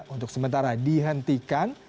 untuk sementara dihentikan